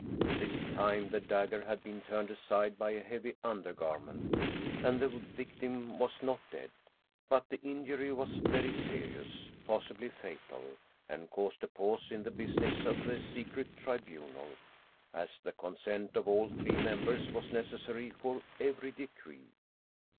This time the dagger had been turned aside by a heavy undergarment, and the victim was not dead. But the injury was very serious, possibly fatal, and caused a pause in the business of the Secret Tribunal, as the consent of all three members was necessary for every decree.